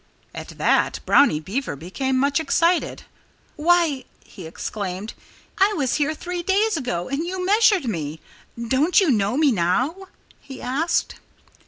At that Brownie Beaver became much excited. "Why " he exclaimed "I was here three days ago and you measured me.... Don't you know me now?" he asked.